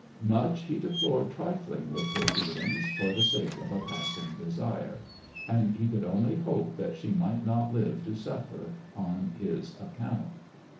Much he deplored trifling with her feelings for the sake of a passing desire; and he could only hope that she might not live to suffer on his account.